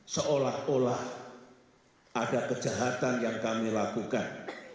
seolah olah ada kejahatan yang kami lakukan